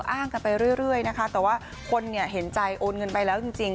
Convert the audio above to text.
อ้างกันไปเรื่อยนะคะแต่ว่าคนเห็นใจโอนเงินไปแล้วจริง